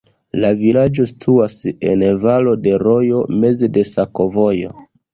La vilaĝo situas en valo de rojo, meze de sakovojo.